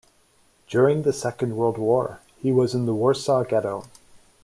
During the Second World War, he was in the Warsaw Ghetto.